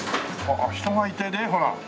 あっ人がいてねほら。